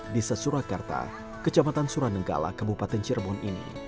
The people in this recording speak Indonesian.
di sat surakarta kecamatan suranenggala kebupaten cirebon ini